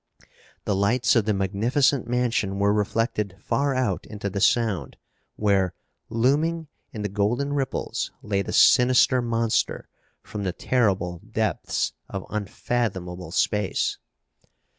The lights of the magnificent mansion were reflected far out into the Sound where, looming in the golden ripples, lay the sinister monster from the terrible depths of unfathomable space.